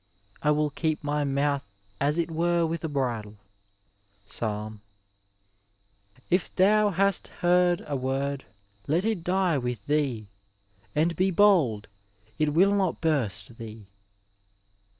^ I will keep my mouth as it were with a bridle. Fbaim zxziz. 1, 2. K thou hast heard a word, let it die with tiiee; and be bokL it will not buwt thee.